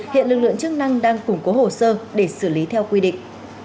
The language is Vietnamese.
hiện lực lượng chức năng đang củng cố hồ sơ để xử lý theo quy định